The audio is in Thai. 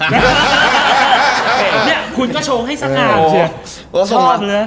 เนี่ยคุณก็โชงให้สักครั้ง